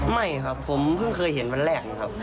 ไม่ครับผมเพิ่งเคยเห็นวันแรกนะครับ